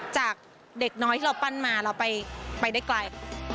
จากเด็กน้อยเราปั้นมาไปได้ไกล